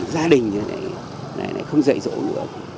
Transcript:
gia đình như thế này không dạy dỗ được